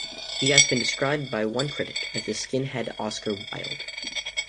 He has been described by one critic as "the skinhead Oscar Wilde".